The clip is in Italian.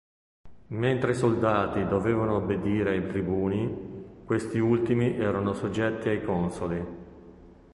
Mentre i soldati dovevano obbedire ai tribuni, questi ultimi erano soggetti ai consoli.